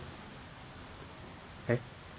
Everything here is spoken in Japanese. えっ？